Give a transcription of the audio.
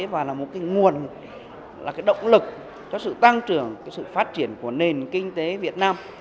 và là một nguồn động lực cho sự tăng trưởng sự phát triển của nền kinh tế việt nam